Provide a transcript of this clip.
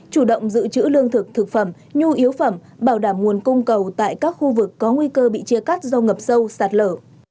chủ động giữ chữ lương thực thực phẩm nhu yếu phẩm bảo đảm nguồn cung cầu tại các khu vực có nguy cơ bị chia cắt do ngập sâu sạt lở